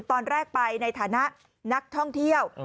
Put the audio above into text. ตอนแรกไปในฐานะนักท่องเที่ยว